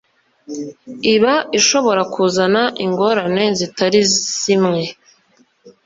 iba ishobora kuzana ingorane zitari zimwe